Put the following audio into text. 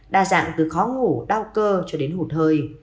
đa dạng từ khó ngủ đau cơ cho đến hụt hơi